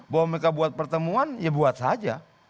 bahwa mereka buat pertemuan ya buat saja